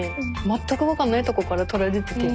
全くわかんないとこから撮られてて。